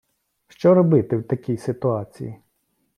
Що робити в такій ситуації?